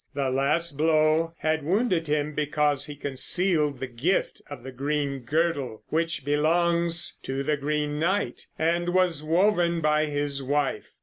The last blow had wounded him because he concealed the gift of the green girdle, which belongs to the Green Knight and was woven by his wife.